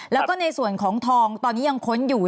แล้วก็ในส่วนของทองตอนนี้ยังค้นอยู่